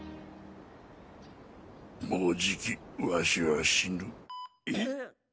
もうじきワシは死ぬ。え！？